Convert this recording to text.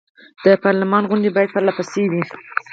د پارلمان غونډې باید پر له پسې وي.